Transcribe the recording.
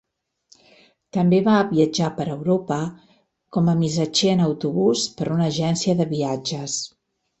També va viatjar per Europa com a missatger en autobús per a una agència de viatges.